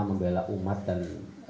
membela umat dan